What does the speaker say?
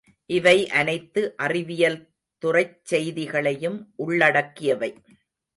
இவை அனைத்து அறிவியல்துறைச் செய்திகளையும் உள்ளடக்கியவை.